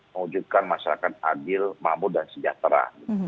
mewujudkan masyarakat adil mampu dan sejahtera